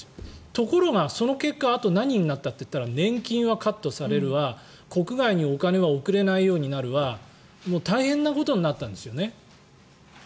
ところが、その結果あと何になったといったら年金はカットされるわ国外にお金は送れないようになるわ大変なことになったんですよね。